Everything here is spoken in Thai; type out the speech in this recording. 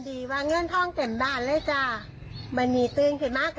ที่บ้านกันอะไรเนี่ยค่ะ